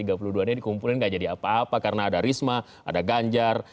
tiga puluh dua nya dikumpulin gak jadi apa apa karena ada risma ada ganjar